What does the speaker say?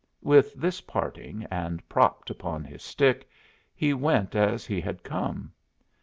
With this parting, and propped upon his stick, he went as he had come.